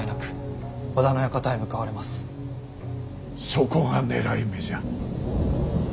そこが狙い目じゃ。